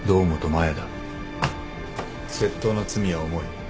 窃盗の罪は重い。